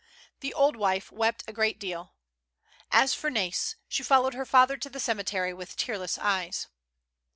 The old wife wept a great deal. As for Nai's, she followed her father to the cemetery with tearless eyes.